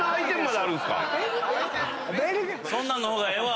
そんなんの方がええわ。